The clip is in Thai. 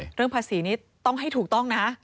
เรื่องภาษีนี้ต้องให้ถูกต้องนะ